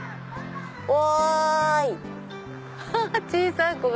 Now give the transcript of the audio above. おい！